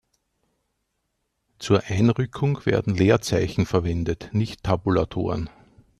Zur Einrückung werden Leerzeichen verwendet, nicht Tabulatoren.